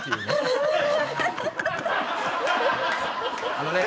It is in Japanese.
あのね。